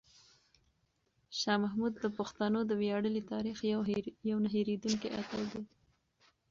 شاه محمود د پښتنو د ویاړلي تاریخ یو نه هېرېدونکی اتل دی.